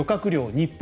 日本